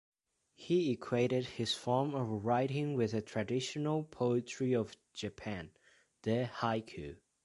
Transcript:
He equated his form of writing with the traditional poetry of Japan, the haiku.